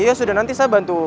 ya sudah nanti saya bantu